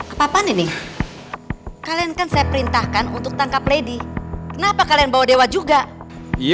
kepapan ini kalian kan saya perintahkan untuk tangkap lady kenapa kalian bawa dewa juga iya